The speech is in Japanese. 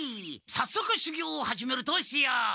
さっそくしゅぎょうをはじめるとしよう！